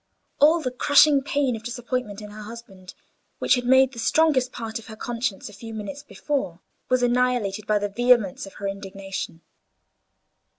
All the crushing pain of disappointment in her husband, which had made the strongest part of her consciousness a few minutes before, was annihilated by the vehemence of her indignation.